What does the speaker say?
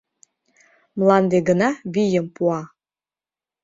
— Мланде гына вийым пуа.